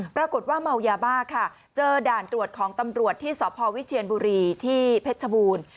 ปรากฏว่าเมายาบ้าค่ะเจอด่านตรวจของตำรวจที่สพวิเชียนบุรีที่เพชรชบูรณ์